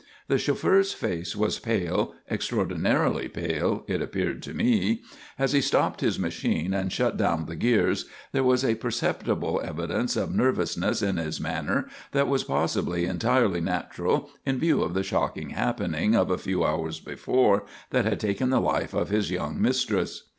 The chauffeur's face was pale, extraordinarily pale, it appeared to me; as he stopped his machine and shut down the gears, there was a perceptible evidence of nervousness in his manner that was possibly entirely natural in view of the shocking happening of a few hours before that had taken the life of his young mistress.